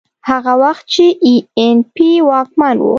هغه وخت چې اي این پي واکمن و.